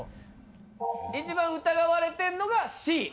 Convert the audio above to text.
一番疑われてんのがＣ。